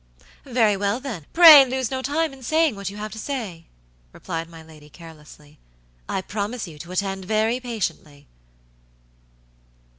"Very well, then; pray lose no time in saying what you have to say," replied my lady, carelessly. "I promise you to attend very patiently."